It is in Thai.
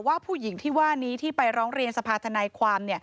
ว่าผู้หญิงที่ว่านี้ที่ไปร้องเรียนสภาธนายความ